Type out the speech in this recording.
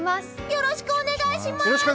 よろしくお願いします！